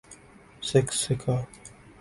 سکسیکا